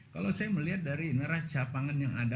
kalau saya melihat dari neraca pangan yang ada